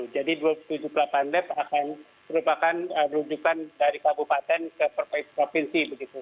jadi tujuh puluh delapan lab akan merupakan peruncukan dari kabupaten ke provinsi